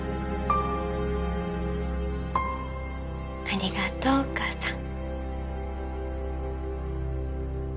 ありがとうお母さん